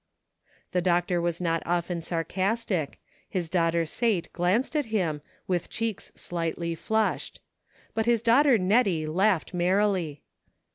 " The doctor was not often sarcastic ; his daughter Sate glanced at him, with cheeks slightly flushed. But his daughter Nettie laughed merrily.